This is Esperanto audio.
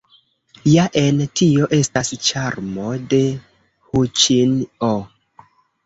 Ja en tio estas ĉarmo de huĉin-o.